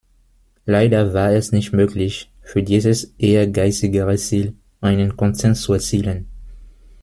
Leider war es nicht möglich, für dieses ehrgeizigere Ziel einen Konsens zu erzielen.